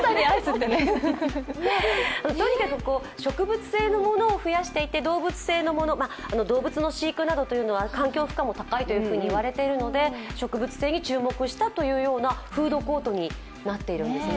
とにかく植物性のものを増やしていて動物性のもの、動物の飼育などは環境負荷も高いと言われているので植物性に注目したというようなフードコートになっているんです。